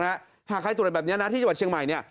หากใครตรวจแบบนี้นะที่จังหวัดเชียงใหม่เนี่ย